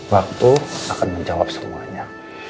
waktu akan menjawab semuanya